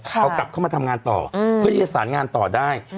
เขากลับเข้ามาทำงานต่อเพื่อที่จะสารงานต่อได้